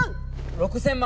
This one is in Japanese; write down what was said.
６，０００万。